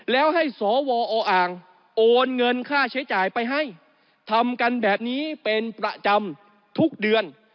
แล้วให้สวออ่างโอนเงินค่าใช้จ่ายไปให้ทำกันแบบนี้เป็นประจำทุกเดือน